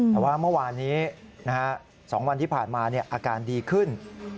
แต่ว่าเมื่อวานนี้๒วันที่ผ่านมาอาการดีขึ้น